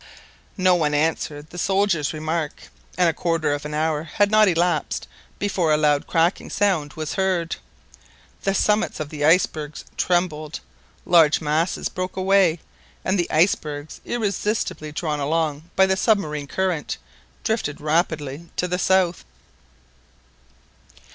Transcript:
No one answered the soldier's remark, and a quarter of an hour had not elapsed before a loud cracking sound was heard. The summits of the icebergs trembled, large masses broke away, and the icebergs, irresistibly drawn along by the submarine current, drifted rapidly to the south.